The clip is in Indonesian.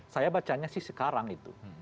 saya bacanya sih sekarang itu